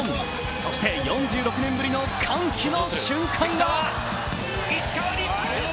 そして４６年ぶりの歓喜の瞬間が。